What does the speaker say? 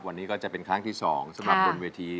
วันนี้ก็จะเป็นครั้งที่๒สำหรับบนเวที